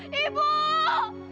dia takut bu